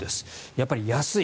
やっぱり安い。